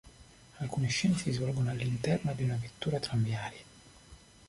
Alcune scene si svolgono all'interno di una vettura tramviaria.